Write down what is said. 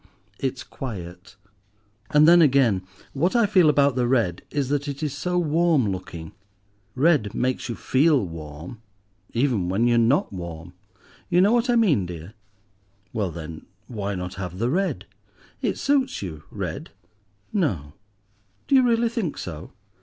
"It's quiet." "And then again, what I feel about the red is that it is so warm looking. Red makes you feel warm even when you're not warm. You know what I mean, dear!" "Well then, why not have the red? It suits you—red." "No; do you really think so?"